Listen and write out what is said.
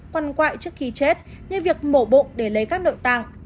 quăn quại trước khi chết như việc mổ bụng để lấy các nội tạng